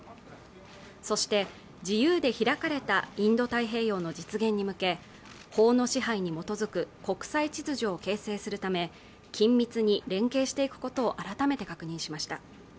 そして、自由で開かれたインド太平洋の実現に向け、法の秩序に基づく国際秩序を形成するため緊密に連携していくことを改めて確認しました。